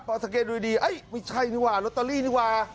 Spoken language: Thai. พอสังเกตดูดีไม่ใช่ดีกว่าลอตเตอรี่นี่ว่า